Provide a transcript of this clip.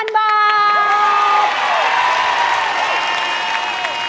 ถูก